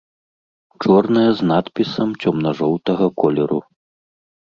Чорная з надпісам цёмна-жоўтага колеру.